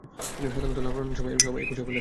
সাধারণত লাউ রান্নার সময় সবাই এর খোসা ফেলে দেন।